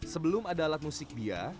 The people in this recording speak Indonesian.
sebelum ada alat musik bia